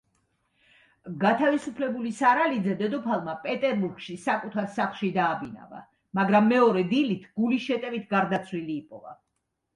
გათავისუფლებული სარალიძე დედოფალმა პეტერბურგში საკუთარ სახლში დააბინავა, მაგრამ მეორე დილით გულის შეტევით გარდაცვლილი იპოვა.